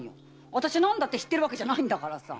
私は何だって知ってるわけじゃないんだから。